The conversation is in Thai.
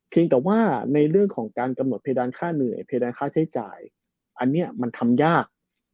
แต่ว่าในเรื่องของการกำหนดเพดานค่าเหนื่อยเพดานค่าใช้จ่ายอันนี้มันทำยาก